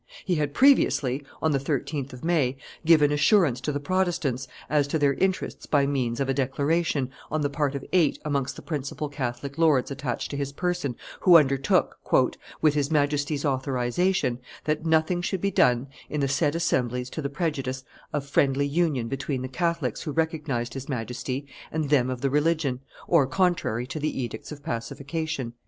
He had previously, on the 13th of May, given assurance to the Protestants as to their interests by means of a declaration on the part of eight amongst the principal Catholic lords attached to his person who undertook, "with his Majesty's authorization, that nothing should be done in the said assemblies to the prejudice of friendly union between the Catholics who recognized his Majesty and them of the religion, or contrary to the edicts of pacification."